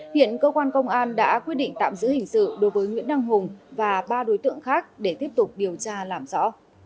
hiện cơ quan công an đã quyết định tạm giữ hình sự đối với nguyễn đăng hùng và ba đối tượng khác để tiếp tục điều tra làm rõ